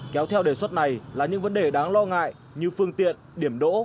kéo theo đề xuất này là những vấn đề đáng lo ngại như phương tiện điểm đỗ